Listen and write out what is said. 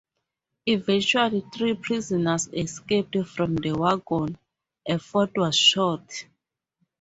Eventually, three prisoners escaped from the wagon; a fourth was shot.